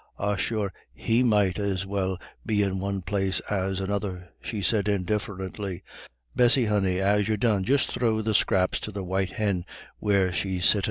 "Ah sure he might as well be in one place as another," she said indifferently. "Bessy, honey, as you're done, just throw the scraps to the white hin where she's sittin'."